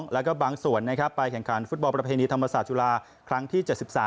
แล้วก็บางส่วนไปแข่งขันฟุตบอลประเพณีธรรมศาสตร์จุฬาครั้งที่๗๓